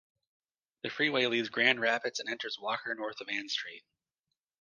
The freeway leaves Grand Rapids and enters Walker north of Ann Street.